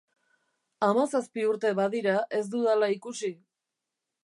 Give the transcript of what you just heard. Hamazazpi urte badira ez dudala ikusi.